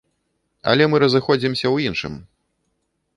Але мы разыходзімся ў іншым.